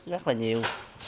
rất là nhiều